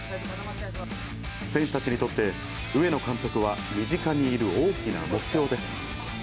選手たちにとって、上野監督は身近にいる大きな目標です。